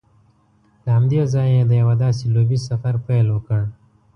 له همدې ځایه یې د یوه داسې لوبیز سفر پیل وکړ